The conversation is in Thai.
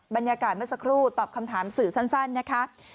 บรรยากาศเมื่อสักครู่ตอบคำถามสื่อสั้นนะคะ